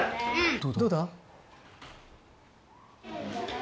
・どうだ？